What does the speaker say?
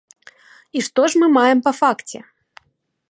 І што ж мы маем па факце?